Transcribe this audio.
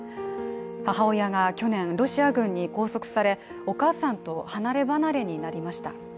母親が去年、ロシア軍に拘束されお母さんと離れ離れになりました。